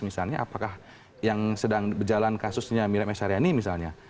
misalnya apakah yang sedang berjalan kasusnya miriam s haryani misalnya